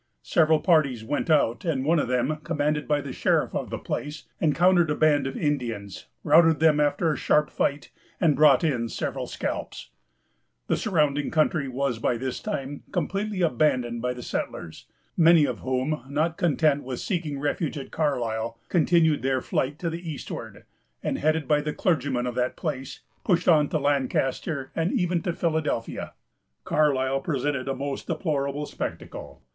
Several parties went out; and one of them, commanded by the sheriff of the place, encountered a band of Indians, routed them after a sharp fight, and brought in several scalps. The surrounding country was by this time completely abandoned by the settlers, many of whom, not content with seeking refuge at Carlisle, continued their flight to the eastward, and, headed by the clergyman of that place, pushed on to Lancaster, and even to Philadelphia. Carlisle presented a most deplorable spectacle.